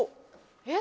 えっ！